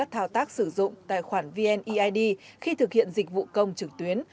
thảo tác sử dụng tài khoản vned khi thực hiện dịch vụ công trực tuyến